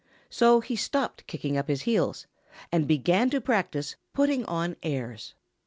So he stopped kicking up his heels and began to practise putting on airs.